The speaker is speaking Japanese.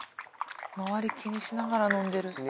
周り気にしながら飲んでる。